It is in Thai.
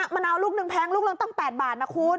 มะนาวลูกหนึ่งแพงลูกนึงตั้ง๘บาทนะคุณ